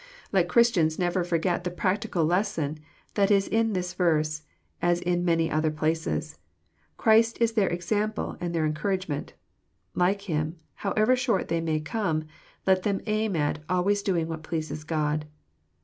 Let Christians never forget the practical lesson that in this verse, as in many other places, Christ is their example and their encouragement. Like Him, however short they may come, let them aim at " always doing what pleases God."